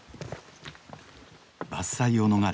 伐採を逃れ